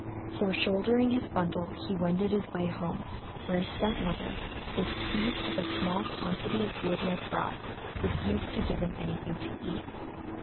So, shouldering his bundle, he wended his way home, where his step mother, displeased with the small quantity of wood he had brought, refused to give him anything to eat.